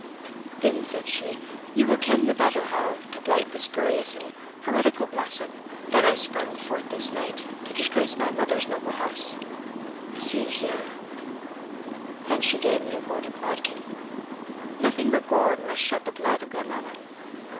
Then,' said she, ye will ken the better how to blight the spurious and heretical blossom that has sprung forth this night to disgrace my father's noble house See here;' (and she gave me a golden bodkin) nothing but gold must shed the blood of Glenallan.